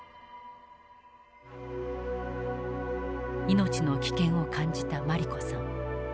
命の危険を感じた茉莉子さん。